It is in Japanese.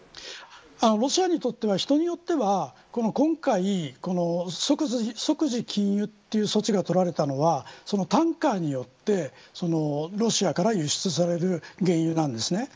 ロシアにとっては人によっては今回、即時禁輸という措置が取られたのはタンカーによってロシアから輸出される原油なんです。